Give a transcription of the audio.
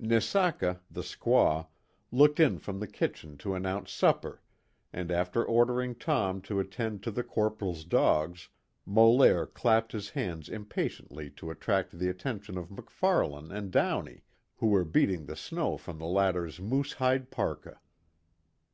Neseka, the squaw, looked in from the kitchen to announce supper, and after ordering Tom to attend to the Corporal's dogs, Molaire clapped his hands impatiently to attract the attention of MacFarlane and Downey who were beating the snow from the latter's moose hide parka.